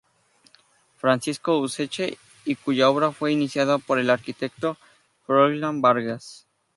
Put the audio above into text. Francisco Useche y cuya obra fue iniciada por el arquitecto Froilán Vargas.